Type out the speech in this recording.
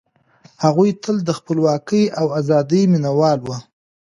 هغوی تل د خپلواکۍ او ازادۍ مينه وال وو.